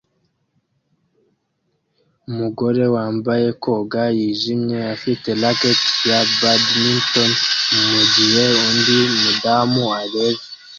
Umugore wambaye koga yijimye afite racket ya badminton mugihe undi mudamu areba